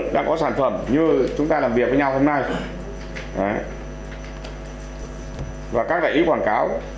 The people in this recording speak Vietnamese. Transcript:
đã có sản phẩm như chúng ta làm việc với nhau hôm nay và các đại lý quảng cáo